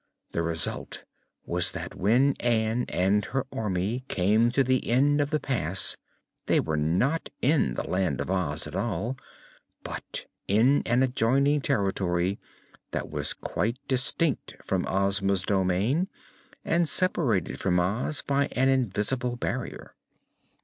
The result was that when Ann and her army came to the end of the pass they were not in the Land of Oz at all, but in an adjoining territory that was quite distinct from Ozma's domain and separated from Oz by an invisible barrier.